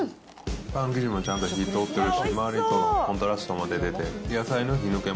パン生地もちゃんと火通ってるし、周りとのコントラストも出てて。